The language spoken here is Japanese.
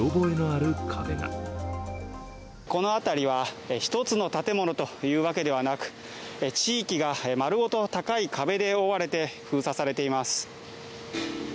あの辺りは１つの建物というわけではなく、地域が丸ごと高い壁で覆われて封鎖されています。